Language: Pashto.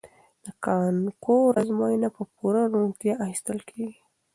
د کانکور ازموینه په پوره روڼتیا اخیستل کیږي.